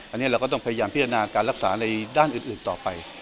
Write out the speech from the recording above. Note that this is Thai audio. อันนี้เราก็ต้องพยายามพิจารณาการรักษาในด้านอื่นต่อไป